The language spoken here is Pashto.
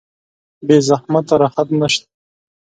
بې زحمته راحت نشته.